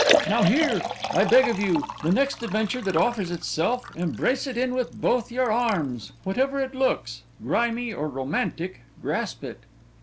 Now here, I beg of you, the next adventure that offers itself, embrace it in with both your arms; whatever it looks, grimy or romantic, grasp it.